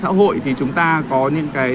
xã hội thì chúng ta có những cái